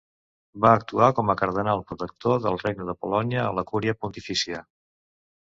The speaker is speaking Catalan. Va actuar com a Cardenal protector del regne de Polònia a la Cúria Pontifícia.